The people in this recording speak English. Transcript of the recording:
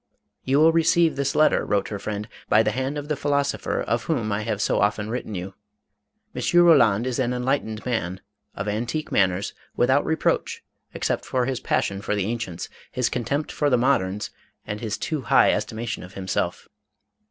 " You will receive this letter," wrote her friend, " by the hand of the philosopher of whom I have so often written you. M. Roland is an enlightened man, of antique manners, without reproach, except for his pas sion for the ancients, his contempt for the moderns, and his too high estimation of himself."